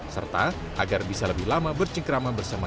serta agar bisa lebih lama bercingkrama bersama sama